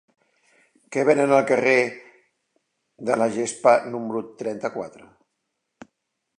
Què venen al carrer de la Gespa número trenta-quatre?